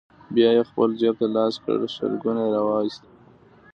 بيا يې خپل جيب ته لاس کړ، شلګون يې راوايست: